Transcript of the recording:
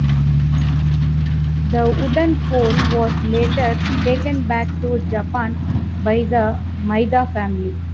The wooden pole was later taken back to Japan by the Maida family.